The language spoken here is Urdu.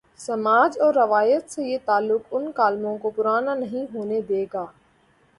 سماج اور روایت سے یہ تعلق ان کالموں کوپرانا نہیں ہونے دے گا۔